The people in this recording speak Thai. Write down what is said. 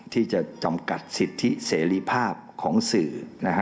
ที่จะจำกัดสิทธิเสรีภาพของสื่อ